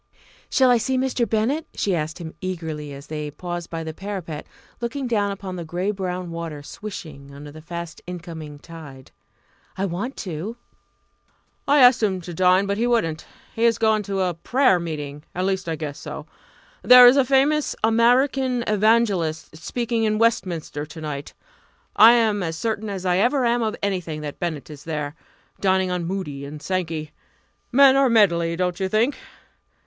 "Shall I see Mr. Bennett?" she asked him eagerly, as they paused by the parapet, looking down upon the grey brown water swishing under the fast incoming tide. "I want to." "I asked him to dine, but he wouldn't. He has gone to a prayer meeting at least I guess so. There is a famous American evangelist speaking in Westminster to night I am as certain as I ever am of anything that Bennett is there dining on Moody and Sankey. Men are a medley, don't you think?